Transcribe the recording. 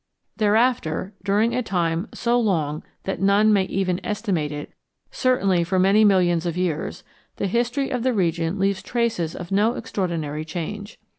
Thereafter, during a time so long that none may even estimate it, certainly for many millions of years, the history of the region leaves traces of no extraordinary change.